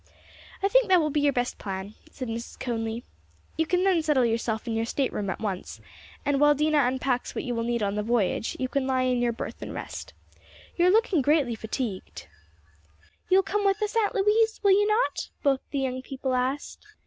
"I think that will be your best plan," said Mrs. Conly. "You can then settle yourself in your state room at once; and while Dinah unpacks what you will need on the voyage, you can lie in your berth and rest. You are looking greatly fatigued." "You will come with us, Aunt Louise, will you not?" both the young people asked.